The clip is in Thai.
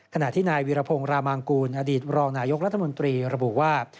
ขณะที่นายวิรพงศ์รามางกูลอดีตรองนายกรัฐมนตรีระบุว่า